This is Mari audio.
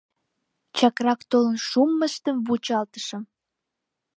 Чакрак толын шуммыштым вучалтышым.